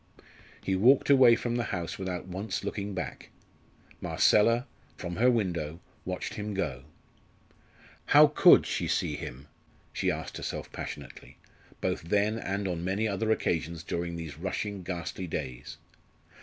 He walked away from the house without once looking back. Marcella, from, her window, watched him go. "How could she see him?" she asked herself passionately, both then and on many other occasions during these rushing, ghastly days.